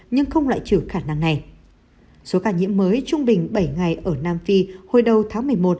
nhưng không loại trừ khả năng này số ca nhiễm mới trung bình bảy ngày ở nam phi hồi đầu tháng một mươi một